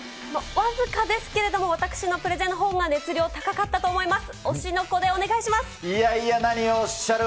僅かですけれども、私のプレゼンのほうが熱量、高かったと思います。